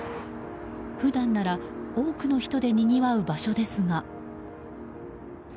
普段なら多くの人でにぎわう場所ですが。